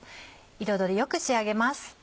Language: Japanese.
彩りよく仕上げます。